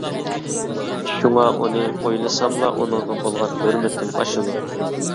شۇڭا، ئۇنى ئويلىساملا ئۇنىڭغا بولغان ھۆرمىتىم ئاشىدۇ.